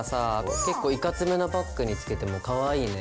結構いかつめなバッグにつけてもかわいいね。